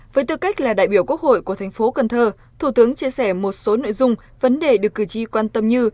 với tư cách là đại biểu quốc hội của thành phố cần thơ thủ tướng chia sẻ một số nội dung vấn đề được cử tri quan tâm như